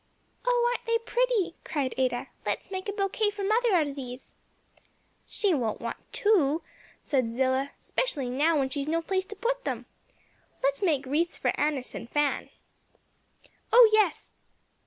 "Oh, aren't they pretty?" cried Ada. "Let's make a bouquet for mother out of these." "She won't want two," said Zillah, "'specially just now when she's no place to put them. Let's make wreaths for Annis and Fan." "Oh yes!"